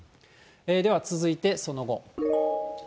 では続いてその後。